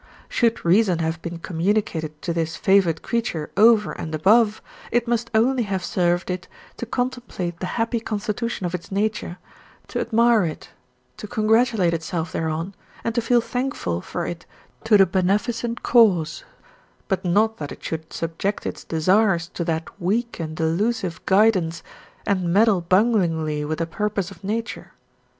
Should reason have been communicated to this favoured creature over and above, it must only have served it to contemplate the happy constitution of its nature, to admire it, to congratulate itself thereon, and to feel thankful for it to the beneficent cause, but not that it should subject its desires to that weak and delusive guidance and meddle bunglingly with the purpose of nature.